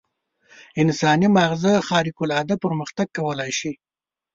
انساني ماغزه خارق العاده پرمختګ کولای شي.